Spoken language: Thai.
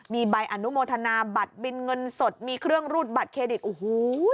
มีใบอนุโมทนาบัตรบินเงินสดมีเครื่องรูดบัตรเครดิตโอ้โห